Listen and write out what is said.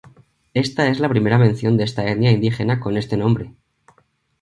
Esta es la primera mención de esta etnia indígena con este nombre.